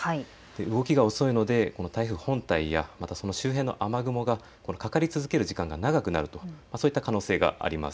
動きが遅いので台風本体やまたその周辺の雨雲がかかり続ける時間が長くなるという可能性があります。